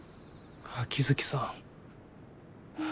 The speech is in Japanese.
秋月さん。